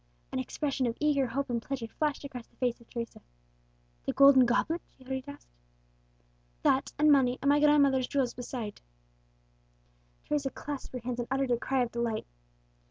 An expression of eager hope and pleasure flashed across the face of Teresa. "The golden goblet?" she hurriedly asked. "That, and money, and my grandmother's jewels besides." Teresa clasped her hands, and uttered a cry of delight.